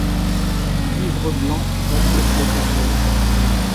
Livre blanc bateau flotter sur l'eau